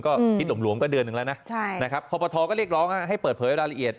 คิดหลวงก็เดือนหนึ่งแล้วคอปทก็เรียกร้องให้เปิดเผยเวลาระเอียด